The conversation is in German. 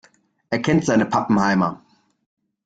Er kennt seine Pappenheimer.